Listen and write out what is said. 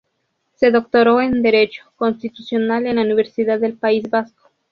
Se doctoró en Derecho Constitucional en la Universidad del País Vasco.